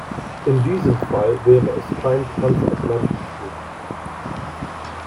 In diesem Fall wäre es kein Transatlantikflug.